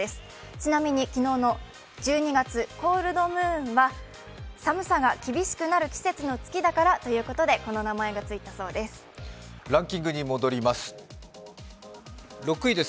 ちなみに昨日の、１２月コールドムーンは寒さが厳しくなる季節の月だからということでこの名前が付いたそうです。